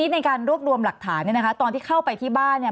นี่ในการรวบดวมหลักฐานตอนที่เข้าไปที่บ้าน